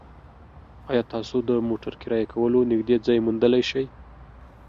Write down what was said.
ایا تاسو د موټر کرایه کولو نږدې ځای موندلی شئ؟